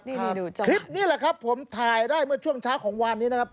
ดูจ้ะคลิปนี้แหละครับผมทายได้ช่วงเช้าของวันนี้นะครับ